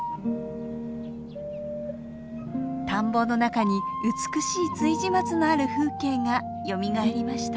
田んぼの中に美しい築地松のある風景がよみがえりました。